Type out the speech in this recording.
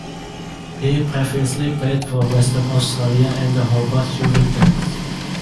He previously played for Western Australia and the Hobart Hurricanes.